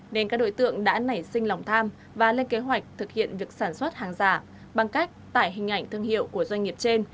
nên các đối tượng đã nảy sinh lòng tham và lên kế hoạch thực hiện việc sản xuất hàng giả bằng cách tải hình ảnh thương hiệu của doanh nghiệp trên